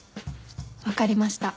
分かりました。